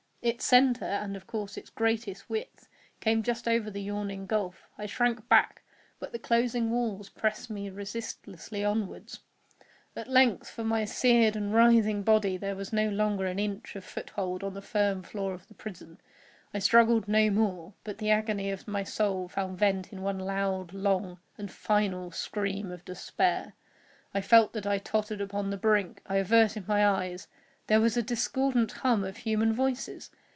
Its centre, and of course, its greatest width, came just over the yawning gulf. I shrank back—but the closing walls pressed me resistlessly onward. At length for my seared and writhing body there was no longer an inch of foothold on the firm floor of the prison. I struggled no more, but the agony of my soul found vent in one loud, long, and final scream of despair. I felt that I tottered upon the brink—I averted my eyes— There was a discordant hum of human voices!